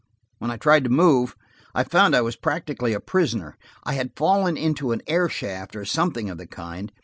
When I tried to move, I found I was practically a prisoner: I had fallen into an air shaft, or something of the kind.